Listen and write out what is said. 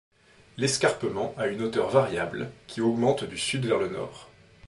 L'escarpement a une hauteur variable, qui augmente du sud vers le nord.